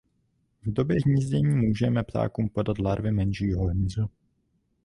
V době hnízdění můžeme ptákům podat larvy menšího hmyzu.